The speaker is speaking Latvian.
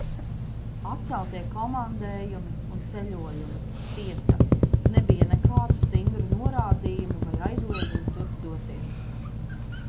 Atceltie komandējumi un ceļojumi. Tiesa, nebija nekādu stingru norādījumu vai aizliegumu turp doties.